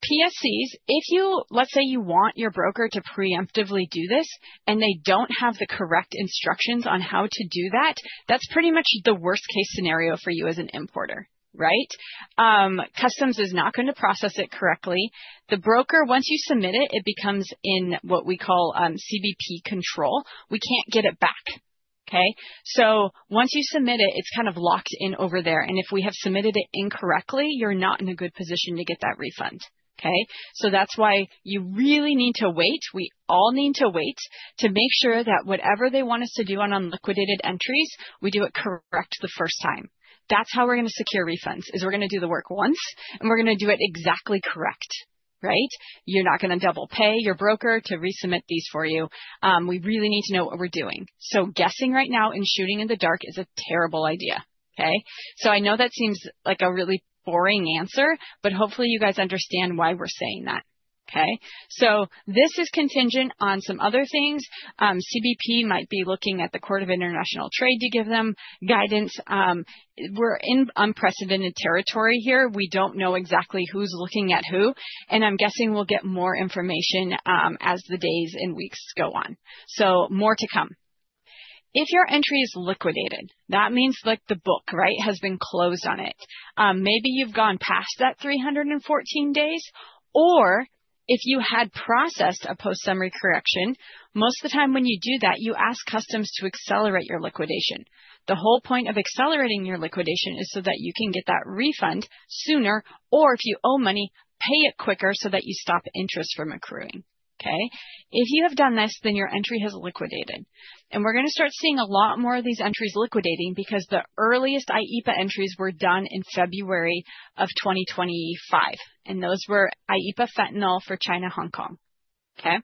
PSCs, if you, let's say you want your broker to preemptively do this, and they don't have the correct instructions on how to do that, that's pretty much the worst case scenario for you as an importer, right? Customs is not going to process it correctly. The broker, once you submit it, it becomes in what we call, CBP control. We can't get it back. Okay? Once you submit it, it's kind of locked in over there, and if we have submitted it incorrectly, you're not in a good position to get that refund. Okay? That's why you really need to wait. We all need to wait to make sure that whatever they want us to do on unliquidated entries, we do it correct the first time. That's how we're going to secure refunds, is we're going to do the work once, and we're going to do it exactly correct, right? You're not going to double pay your broker to resubmit these for you. We really need to know what we're doing. Guessing right now and shooting in the dark is a terrible idea, okay? I know that seems like a really boring answer, but hopefully, you guys understand why we're saying that. Okay? This is contingent on some other things. CBP might be looking at the Court of International Trade to give them guidance. We're in unprecedented territory here. We don't know exactly who's looking at who, and I'm guessing we'll get more information as the days and weeks go on. More to come. If your entry is liquidated, that means, like, the book, right, has been closed on it. Maybe you've gone past that 314 days, or if you had processed a Post Summary Correction, most of the time when you do that, you ask Customs to accelerate your liquidation. The whole point of accelerating your liquidation is so that you can get that refund sooner, or if you owe money, pay it quicker so that you stop interest from accruing. Okay? If you have done this, then your entry has liquidated, and we're going to start seeing a lot more of these entries liquidating because the earliest IEEPA entries were done in February of 2025, and those were IEEPA fentanyl for China, Hong Kong. Okay?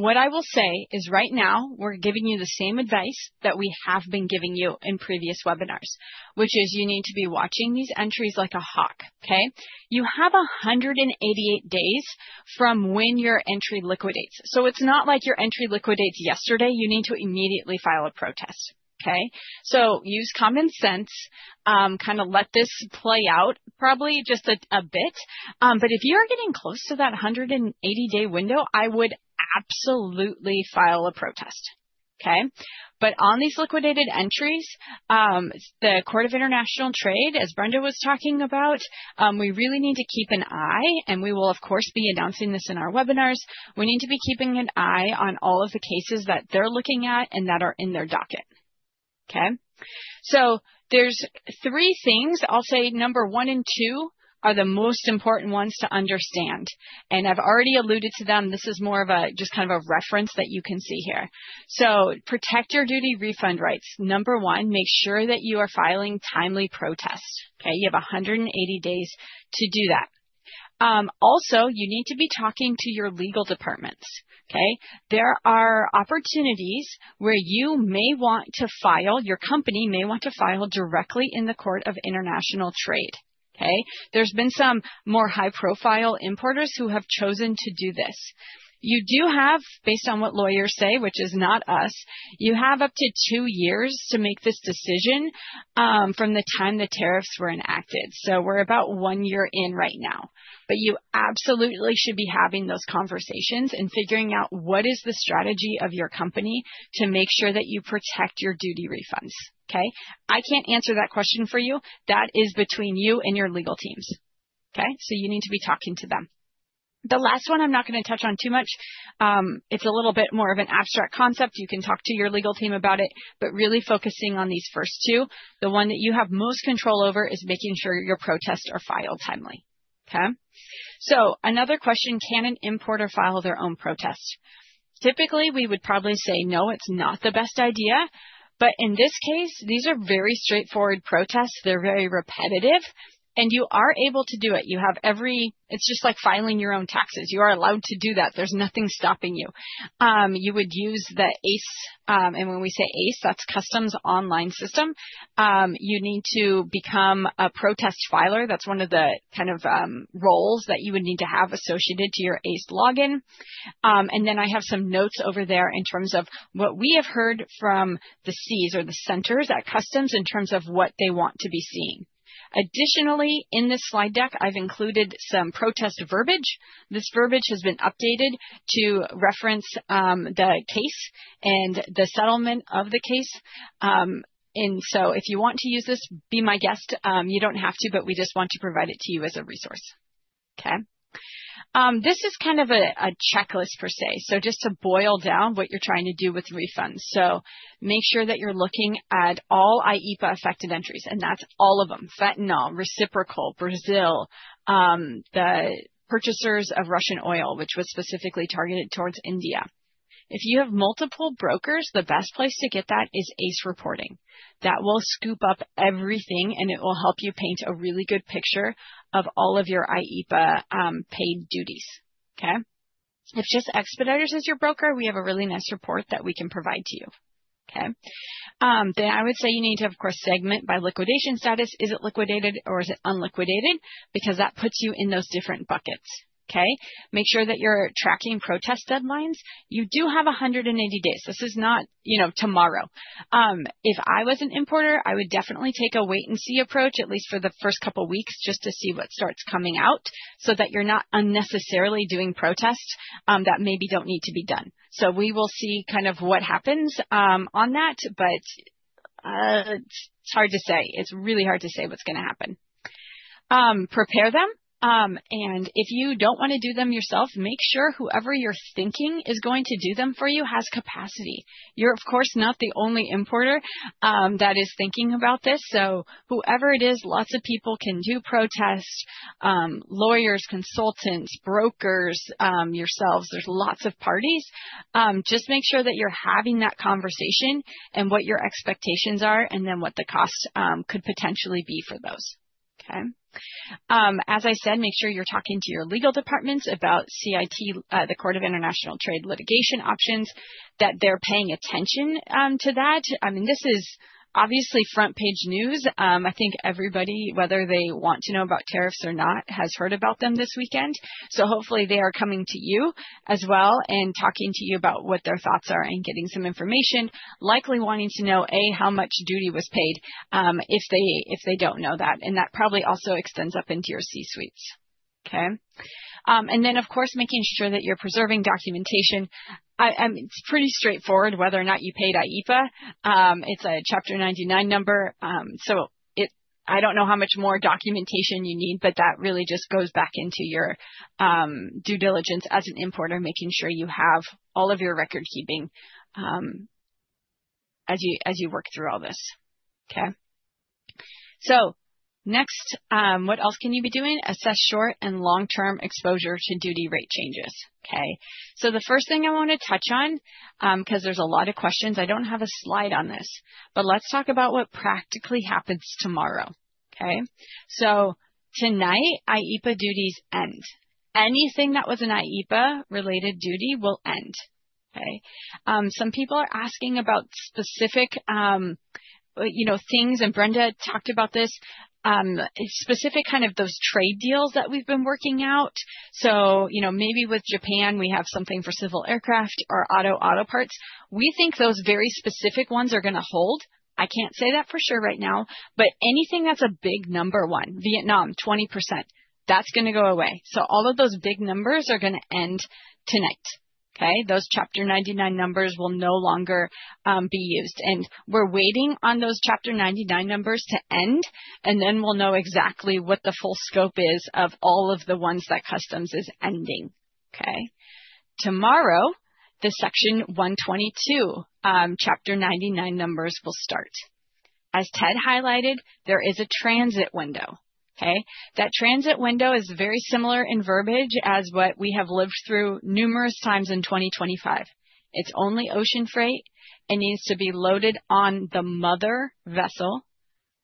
What I will say is, right now, we're giving you the same advice that we have been giving you in previous webinars, which is you need to be watching these entries like a hawk, okay? You have 188 days from when your entry liquidates. It's not like your entry liquidated yesterday, you need to immediately file a protest, okay? Use common sense, kind of let this play out probably just a bit, but if you're getting close to that 180 day window, I would absolutely file a protest, okay. On these liquidated entries, the Court of International Trade, as Brenda was talking about, we really need to keep an eye, and we will, of course, be announcing this in our webinars. We need to be keeping an eye on all of the cases that they're looking at and that are in their docket. Okay. There's three things. I'll say number one and two are the most important ones to understand, and I've already alluded to them. This is just kind of a reference that you can see here. Protect your duty refund rights. Number one, make sure that you are filing timely protests, okay. You have 180 days to do that. Also, you need to be talking to your legal departments, okay? There are opportunities where your company may want to file directly in the Court of International Trade, okay? There's been some more high-profile importers who have chosen to do this. You do have, based on what lawyers say, which is not us, you have up to two years to make this decision from the time the tariffs were enacted. We're about two year in right now, but you absolutely should be having those conversations and figuring out what is the strategy of your company to make sure that you protect your duty refunds, okay? I can't answer that question for you. That is between you and your legal teams. Okay? You need to be talking to them. The last one I'm not going to touch on too much. It's a little bit more of an abstract concept. You can talk to your legal team about it, but really focusing on these first two, the one that you have most control over is making sure your protests are filed timely. Okay? Another question: Can an importer file their own protest? Typically, we would probably say, no, it's not the best idea, but in this case, these are very straightforward protests. They're very repetitive, and you are able to do it. It's just like filing your own taxes. You are allowed to do that. There's nothing stopping you. You would use the ACE, and when we say ACE, that's Customs online system. You need to become a protest filer. That's one of the kind of roles that you would need to have associated to your ACE login. I have some notes over there in terms of what we have heard from the Cs or the centers at Customs in terms of what they want to be seeing. Additionally, in this slide deck, I've included some protest verbiage. This verbiage has been updated to reference the case and the settlement of the case. If you want to use this, be my guest. You don't have to, we just want to provide it to you as a resource. Okay? This is kind of a checklist per se. Just to boil down what you're trying to do with refunds. Make sure that you're looking at all IEEPA-affected entries, and that's all of them, fentanyl, reciprocal, Brazil, the purchasers of Russian oil, which was specifically targeted towards India. If you have multiple brokers, the best place to get that is ACE reporting. That will scoop up everything, and it will help you paint a really good picture of all of your IEEPA paid duties. Okay? If just Expeditors is your broker, we have a really nice report that we can provide to you. I would say you need to, of course, segment by liquidation status. Is it liquidated or is it unliquidated? That puts you in those different buckets. Make sure that you're tracking protest deadlines. You do have 180 days. This is not, you know, tomorrow. If I was an importer, I would definitely take a wait and see approach, at least for the first couple weeks, just to see what starts coming out, so that you're not unnecessarily doing protests that maybe don't need to be done. We will see kind of what happens on that. It's hard to say. It's really hard to say what's gonna happen. Prepare them. If you don't want to do them yourself, make sure whoever you're thinking is going to do them for you has capacity. You're of course not the only importer that is thinking about this. Whoever it is, lots of people can do protests, lawyers, consultants, brokers, yourselves. There's lots of parties. Just make sure that you're having that conversation and what your expectations are and then what the cost could potentially be for those. As I said, make sure you're talking to your legal departments about CIT, the Court of International Trade litigation options, that they're paying attention to that. I mean, this is obviously front page news. I think everybody, whether they want to know about tariffs or not, has heard about them this weekend. Hopefully they are coming to you as well and talking to you about what their thoughts are and getting some information, likely wanting to know, A. how much duty was paid, if they don't know that, and that probably also extends up into your C-suites. Of course, making sure that you're preserving documentation. It's pretty straightforward whether or not you paid IEEPA. It's a Chapter 99 number, so it. I don't know how much more documentation you need, but that really just goes back into your due diligence as an importer, making sure you have all of your record keeping as you work through all this. Okay? Next, what else can you be doing? Assess short and long-term exposure to duty rate changes. Okay, the first thing I want to touch on, because there's a lot of questions, I don't have a slide on this, but let's talk about what practically happens tomorrow. Okay? Tonight, IEEPA duties end. Anything that was an IEEPA-related duty will end. Okay? Some people are asking about specific, you know, things, and Brenda talked about this. Specific kind of those trade deals that we've been working out. You know, maybe with Japan, we have something for civil aircraft or auto parts. We think those very specific ones are gonna hold. I can't say that for sure right now, anything that's a big number one, Vietnam, 20%, that's gonna go away. All of those big numbers are gonna end tonight. Okay? Those Chapter 99 numbers will no longer be used, we're waiting on those Chapter 99 numbers to end, then we'll know exactly what the full scope is of all of the ones that Customs is ending. Okay? Tomorrow, the Section 122 Chapter 99 numbers will start. As Ted highlighted, there is a transit window. Okay? That transit window is very similar in verbiage as what we have lived through numerous times in 2025. It's only ocean freight and needs to be loaded on the mother vessel.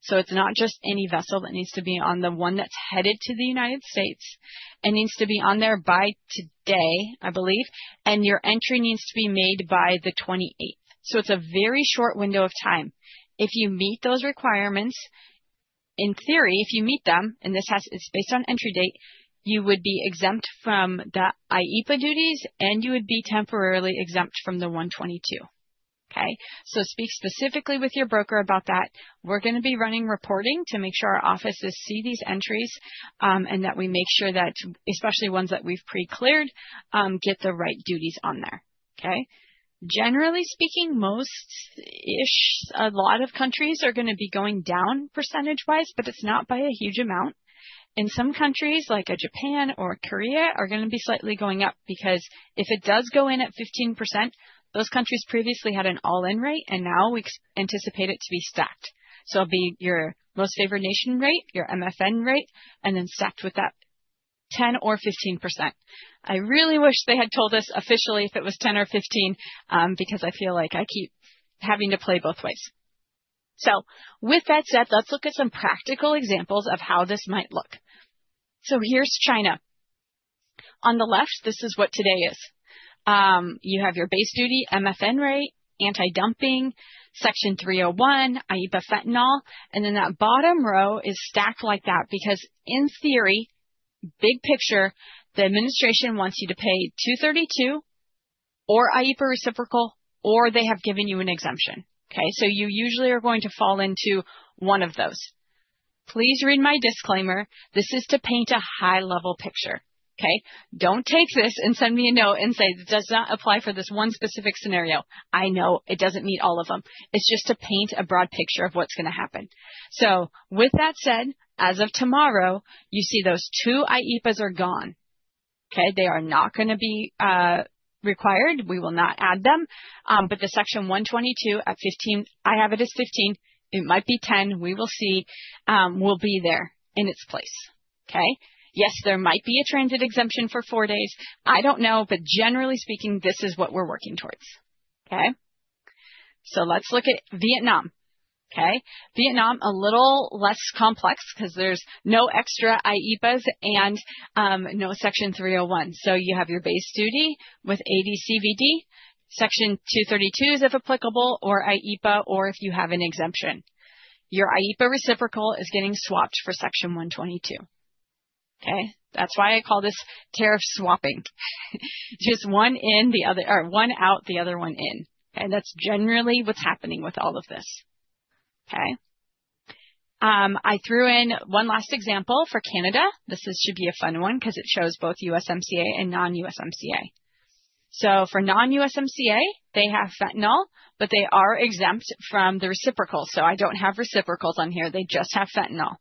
It's not just any vessel that needs to be on, the one that's headed to the United States, and needs to be on there by today, I believe, and your entry needs to be made by the 28th. It's a very short window of time. If you meet those requirements, in theory, if you meet them, it's based on entry date, you would be exempt from the IEEPA duties, and you would be temporarily exempt from the 122. Okay? Speak specifically with your broker about that. We're gonna be running reporting to make sure our offices see these entries, and that we make sure that, especially ones that we've pre-cleared, get the right duties on there. Okay? Generally speaking, most-ish, a lot of countries are gonna be going down percentage-wise, it's not by a huge amount. In some countries, like a Japan or Korea, are gonna be slightly going up because if it does go in at 15%, those countries previously had an all-in rate, now we anticipate it to be stacked. It'll be your most favored nation rate, your MFN rate, and then stacked with that 10% or 15%. I really wish they had told us officially if it was 10% or 15%, because I feel like I keep having to play both ways. With that said, let's look at some practical examples of how this might look. Here's China. On the left, this is what today is. You have your base duty, MFN rate, antidumping, Section 301, IEEPA fentanyl, and then that bottom row is stacked like that because in theory, big picture, the administration wants you to pay 232 or IEEPA reciprocal, or they have given you an exemption. Okay? You usually are going to fall into one of those. Please read my disclaimer. This is to paint a high-level picture, okay? Don't take this and send me a note and say, "Does that apply for this one specific scenario?" I know it doesn't meet all of them. It's just to paint a broad picture of what's gonna happen. With that said, as of tomorrow, you see those 2 IEEPA's are gone, okay? They are not gonna be required. We will not add them, but the Section 122 at 15, I have it as 15. It might be 10. We will see, will be there in its place. Okay. Yes, there might be a transit exemption for four days. I don't know, but generally speaking, this is what we're working towards. Okay. Let's look at Vietnam. Okay. Vietnam, a little less complex because there's no extra IEEPAs and no Section 301. You have your base duty with AD/CVD, Section 232 is if applicable, or IEEPA, or if you have an exemption. Your IEEPA reciprocal is getting swapped for Section 122. Okay. That's why I call this tariff swapping. Just one in the other, or one out, the other one in, and that's generally what's happening with all of this. Okay. I threw in one last example for Canada. This should be a fun one because it shows both USMCA and non-USMCA. For non-USMCA, they have fentanyl, but they are exempt from the reciprocal. I don't have reciprocals on here. They just have fentanyl.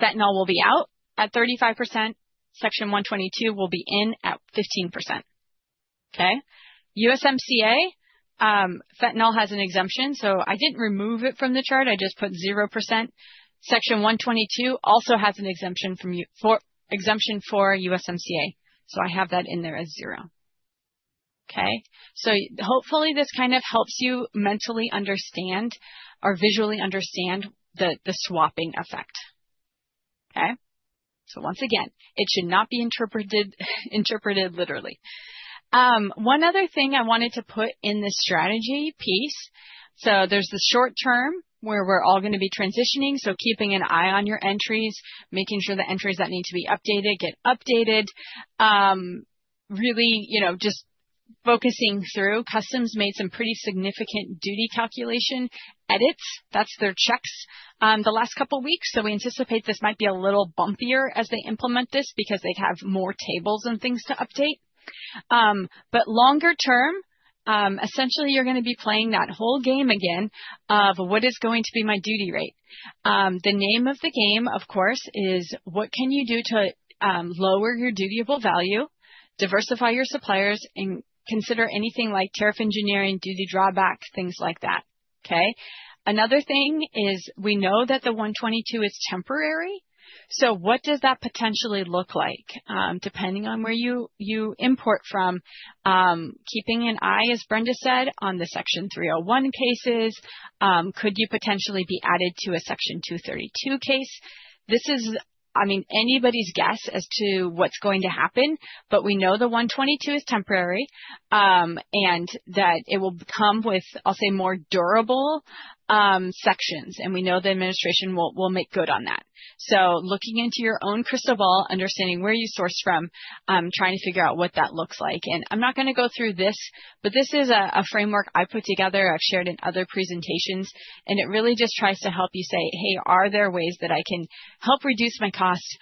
Fentanyl will be out at 35%. Section 122 will be in at 15%. Okay? USMCA, fentanyl has an exemption, so I didn't remove it from the chart. I just put 0%. Section 122 also has an exemption for USMCA, so I have that in there as 0. Okay? Hopefully, this kind of helps you mentally understand or visually understand the, the swapping effect. Okay? Once again, it should not be interpreted literally. One other thing I wanted to put in this strategy piece. There's the short term, where we're all gonna be transitioning, so keeping an eye on your entries, making sure the entries that need to be updated get updated. Really, you know, just focusing through. Customs made some pretty significant duty calculation edits. That's their checks, the last two weeks. We anticipate this might be a little bumpier as they implement this because they have more tables and things to update. Longer term, essentially, you're going to be playing that whole game again of what is going to be my duty rate. The name of the game, of course, is what can you do to lower your dutiable value, diversify your suppliers, and consider anything like tariff engineering, duty drawback, things like that. Okay? Another thing is we know that the 122 is temporary, what does that potentially look like depending on where you import from? Keeping an eye, as Brenda said, on the Section 301 cases, could you potentially be added to a Section 232 case? This is, I mean, anybody's guess as to what's going to happen, but we know the 122 is temporary, and that it will come with, I'll say, more durable sections, and we know the administration will make good on that. Looking into your own crystal ball, understanding where you sourced from, trying to figure out what that looks like. I'm not gonna go through this, but this is a framework I put together. I've shared in other presentations, and it really just tries to help you say: Hey, are there ways that I can help reduce my costs,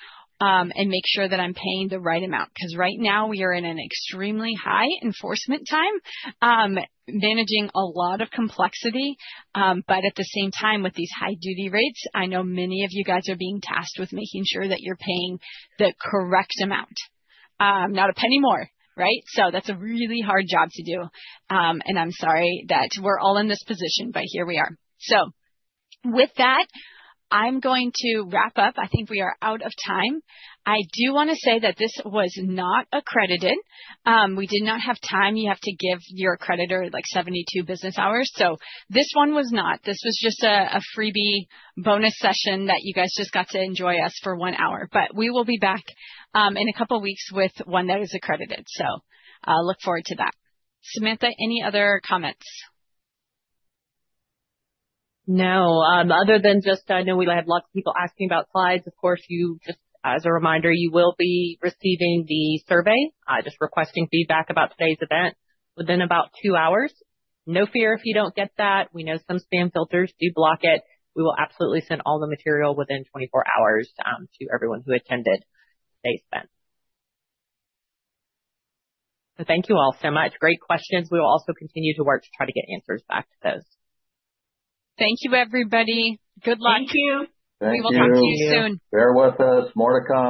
and make sure that I'm paying the right amount? Right now, we are in an extremely high enforcement time, managing a lot of complexity. At the same time, with these high duty rates, I know many of you guys are being tasked with making sure that you're paying the correct amount, not a penny more, right? That's a really hard job to do, and I'm sorry that we're all in this position, but here we are. With that, I'm going to wrap up. I think we are out of time. I do want to say that this was not accredited. We did not have time. You have to give your accreditor, like, 72 business hours. This one was not. This was just a freebie bonus session that you guys just got to enjoy us for one hour. We will be back in two weeks with one that is accredited. Look forward to that. Samantha, any other comments? Other than just I know we had lots of people asking about slides. Of course, you just as a reminder, you will be receiving the survey, just requesting feedback about today's event within about two hours. Fear if you don't get that, we know some spam filters do block it. We will absolutely send all the material within 24 hours to everyone who attended. Thanks, Ben. Thank you all so much. Great questions. We will also continue to work to try to get answers back to those. Thank you, everybody. Good luck. Thank you. We will talk to you soon. Bear with us. More to come.